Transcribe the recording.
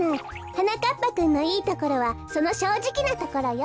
はなかっぱくんのいいところはそのしょうじきなところよ。